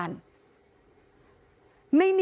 ค่ะ